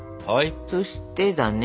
そしてだね